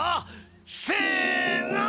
せの！